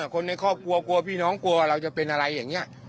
คนในครอบครัวกลัวพี่น้องกลัวเราจะเป็นอะไรอย่างนี้